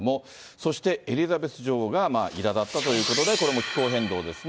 そしてエリザベス女王がいらだったということで、これも気候変動ですね。